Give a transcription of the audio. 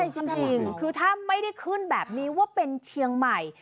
จริงคือถ้าไม่ได้ขึ้นแบบนี้ว่าเป็นเชียงใหม่